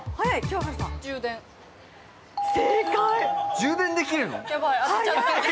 充電できるの？